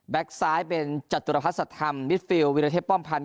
แบ็คซ้ายเป็นจัตุรพัฒน์สัตว์ธรรมมิฟิลล์วิรเทศป้อมพันธ์